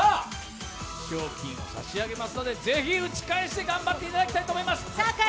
賞金差し上げますのでぜひ打ち返して頑張っていただきたいと思います。